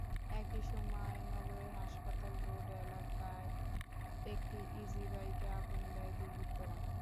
একই সময় নগরের হাসপাতাল রোড এলাকায় একটি ইজিবাইকে আগুন দেয় দুর্বৃত্তরা।